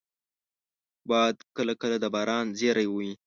باد کله کله د باران زېری وي